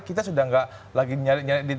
kita sudah tidak lagi nyari nyari